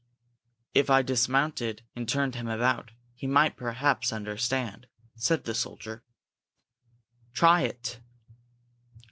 "If I dismounted and turned him about, he might perhaps understand," said the soldier. "Try it!"